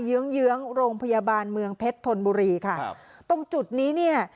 เยื้องเยื้องโรงพยาบาลเมืองเพชรธนบุรีค่ะครับตรงจุดนี้เนี่ย